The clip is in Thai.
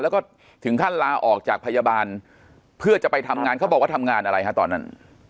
แล้วก็ถึงขั้นลาออกจากพยาบาลเพื่อจะไปทำงานเขาบอกว่าทำงานอะไรฮะตอนนั้น